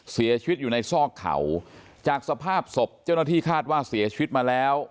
เสียชีวิตอยู่ในซอกเขาจากสภาพศพเจ้าหน้าที่คาดว่าเสียชีวิตมาแล้ว